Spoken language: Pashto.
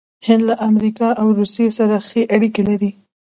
هند له امریکا او روسیې سره ښې اړیکې لري.